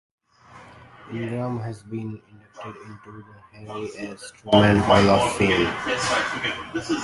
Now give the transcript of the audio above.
Ingram has been inducted into the Harry S. Truman Hall of Fame.